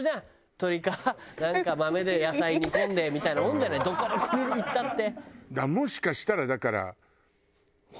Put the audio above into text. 鶏かなんか豆で野菜煮込んでみたいなもんじゃないどこの国に行ったって。